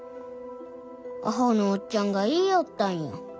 アホのおっちゃんが言いよったんや。